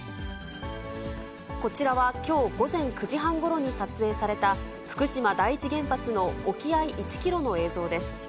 こちらはきょう午前９時半ごろに撮影された、福島第一原発の沖合１キロの映像です。